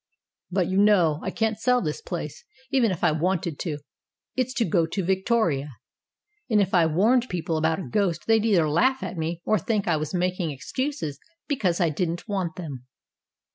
"But, you know, I can't sell this place, even if I wanted to. It's to go to Victoria. And if I warned people about a ghost they'd either laugh at me or think that I was making excuses because I didn't want them."